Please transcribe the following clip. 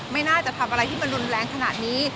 ไม่น่าจะทำอะไรที่มันรุนแรงขนาดนี้